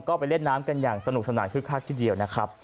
ก็ไปเล่นน้ำกันอย่างสนุกสนานคึกคักทีเดียวนะครับ